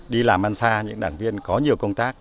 đi làm ăn xa những đảng viên có nhiều công tác